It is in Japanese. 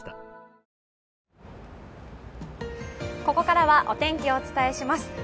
ここからはお天気をお伝えします。